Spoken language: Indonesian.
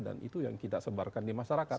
dan itu yang kita sebarkan di masyarakat